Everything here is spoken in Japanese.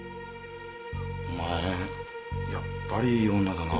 お前やっぱりいい女だな。